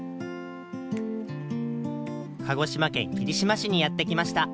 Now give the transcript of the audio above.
鹿児島県霧島市にやってきました。